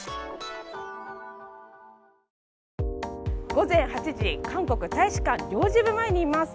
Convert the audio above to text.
午前８時、韓国大使館領事部前にいます。